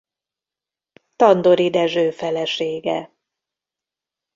Tandori Dezső felesége.